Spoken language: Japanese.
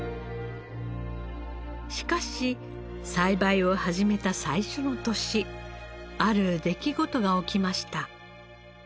しかし栽培を始めた最初の年ある出来事が起きました。